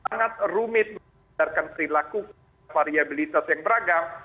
sangat rumit menggunakan perilaku variabilitas yang beragam